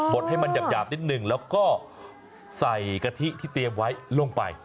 ดให้มันหยาบนิดหนึ่งแล้วก็ใส่กะทิที่เตรียมไว้ลงไป